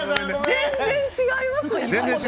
全然違いますね。